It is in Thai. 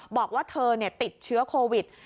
บอกว่าเธอติดเชื้อโควิด